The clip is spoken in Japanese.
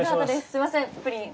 すみませんプリン。